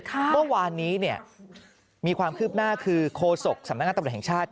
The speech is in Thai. เมื่อวานนี้เนี่ยมีความคืบหน้าคือโคศกสำนักงานตำรวจแห่งชาติ